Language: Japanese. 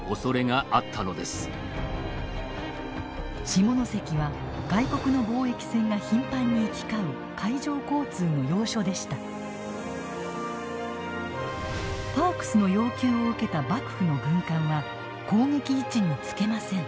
下関は外国の貿易船が頻繁に行き交うパークスの要求を受けた幕府の軍艦は攻撃位置につけません。